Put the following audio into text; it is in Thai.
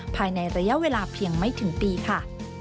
ภายในระยะเวลาเพียงไม่ถึงปีค่ะ